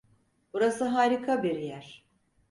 Burası harika bir yer.